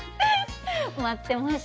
待ってました。